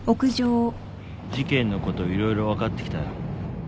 事件のこと色々分かってきたよ。